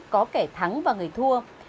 có kẻ thắng và người thua